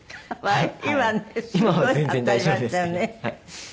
はい。